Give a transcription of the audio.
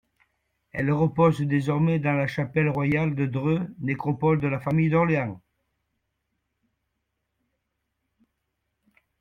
Elle repose désormais dans la Chapelle royale de Dreux, nécropole de la famille d'Orléans.